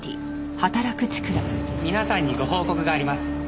「皆さんにご報告があります」